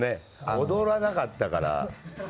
踊らなかったから。